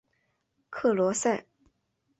克罗塞。